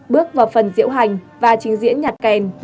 bước vào phần diễu hành và trình diễn nhạc kèn